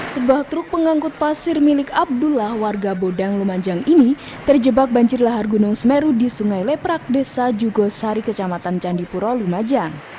sebuah truk pengangkut pasir milik abdullah warga bodang lumajang ini terjebak banjir lahar gunung semeru di sungai leprak desa jugosari kecamatan candipuro lumajang